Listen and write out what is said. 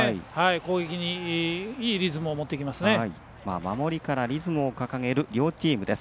攻撃にいいリズムを持ってきます。